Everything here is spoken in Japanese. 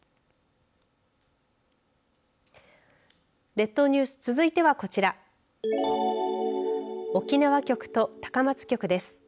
列島ニュース続いてはこちら沖縄局と高松局です。